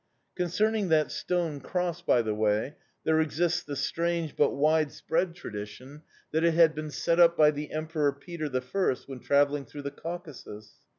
Concerning that stone cross, by the way, there exists the strange, but widespread, tradition that it had been set up by the Emperor Peter the First when travelling through the Caucasus.